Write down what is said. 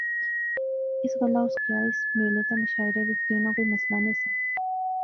اس گلاہ اس کیا اس میلے تہ مشاعرے وچ گینا کوئی مسئلہ نہسا